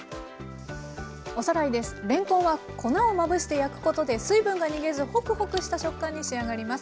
れんこんは粉をまぶして焼くことで水分が逃げずホクホクした食感に仕上がります。